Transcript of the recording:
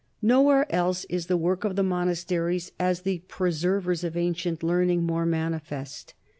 Nowhere else is the work of the monasteries as the preservers of ancient learning more manifest.